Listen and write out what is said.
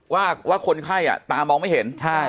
ว่าคนไข้ตามองไม่เห็น